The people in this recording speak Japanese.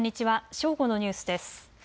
正午のニュースです。